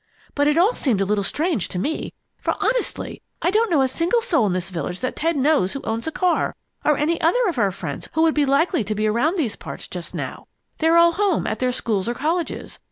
But it all seemed a little strange to me, for, honestly, I don't know a single soul in this village that Ted knows who owns a car, or any other of our friends who would be likely to be around these parts just now. They're all home at their schools or colleges.